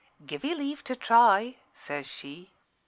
"'Give 'ee leave to try,' says she.